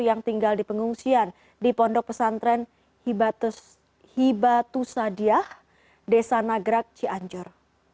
yang tinggal di pengungsian di pondok pesantren hibatusadiah desa nagrag cianjur